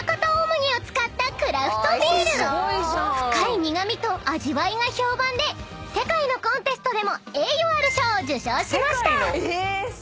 ［深い苦味と味わいが評判で世界のコンテストでも栄誉ある賞を受賞しました］